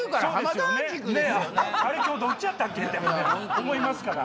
今日どっちやった？って思いますから。